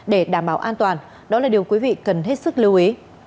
để đảm bảo an toàn đó là điều quý vị cần hết sức lưu ý